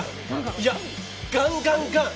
いや、ガンガンガン！